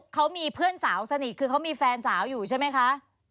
เขามีเพื่อนสาวสนิทคือเขามีแฟนสาวอยู่ใช่ไหมคะ